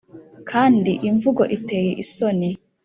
kandi imvugo iteye isoni